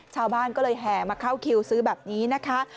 ชาวบ้านก็เลยแห่มาเข้าคิวซื้อแบบนี้นะคะ